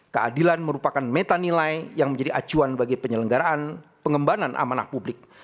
keadilan merupakan meta nilai yang menjadi acuan bagi penyelenggaraan pengembangan amanah publik